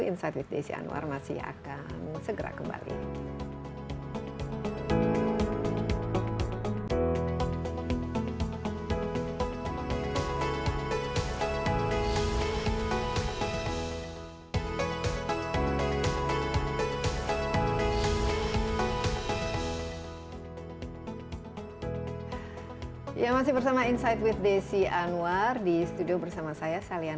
insight with desi anwar masih akan segera kembali